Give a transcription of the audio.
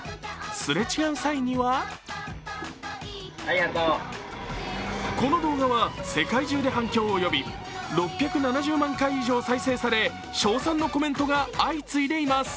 すれ違う際にはこの動画は世界中で反響を呼び６７０万回以上再生され称賛のコメントが相次いでいます。